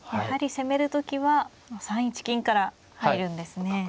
やはり攻める時は３一金から入るんですね。